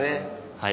はい。